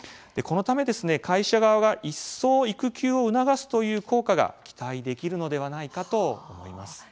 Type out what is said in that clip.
このため会社側が一層育休を促すという効果が期待できるのではないかと思います。